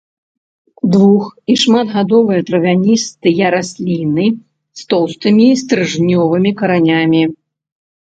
Двух- і шматгадовыя травяністыя расліны з тоўстымі стрыжнёвымі каранямі.